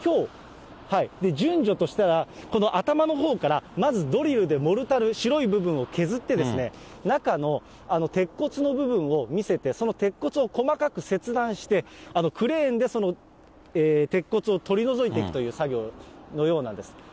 順序としたら、この頭のほうから、まずドリルでモルタル、白い部分を削って、中の鉄骨の部分を見せて、その鉄骨を細かく切断して、クレーンでその鉄骨を取り除いていくという作業のようなんです。